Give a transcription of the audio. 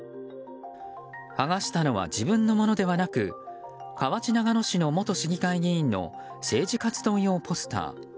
剥がしたのは自分のものではなく河内長野市の元市議会議員の政治活動用ポスター。